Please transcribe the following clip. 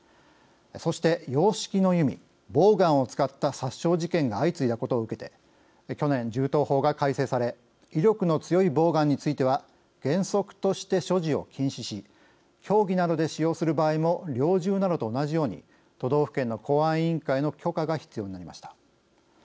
そして洋式の弓＝ボーガンを使った殺傷事件が相次いだことを受けて去年、銃刀法が改正され威力の強いボーガンについては原則として所持を禁止し競技などで使用する場合も猟銃などと同じように都道府県の公安委員会の許可が必要になりました。